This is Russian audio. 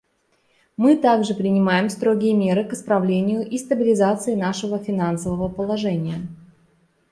Мы также принимаем строгие меры к исправлению и стабилизации нашего финансового положения.